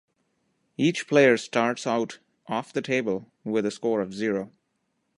Each player starts out "off the table" with a score of zero.